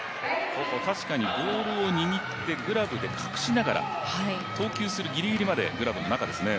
確かに、ボールを握ってグラブで隠しながら投球するぎりぎりまでグラブの中ですね。